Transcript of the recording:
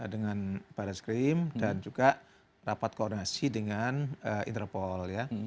dengan baris krim dan juga rapat koordinasi dengan interpol ya